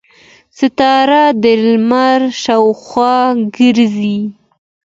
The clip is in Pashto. سیاره د لمر شاوخوا ګرځي.